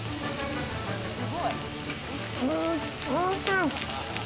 おいしい！